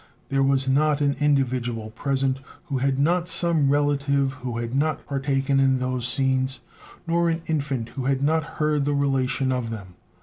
There was not an individual present who had not some relative who had not partaken in those scenes, nor an infant who had not heard the relation of them.